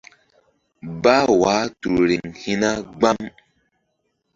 Bah wah tu riŋ hi̧na gbam.